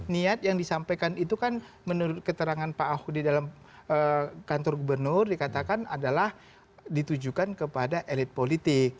niat yang disampaikan itu kan menurut keterangan pak ahok di dalam kantor gubernur dikatakan adalah ditujukan kepada elit politik